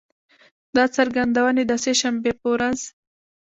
دا څرګندونې د سه شنبې په ورځ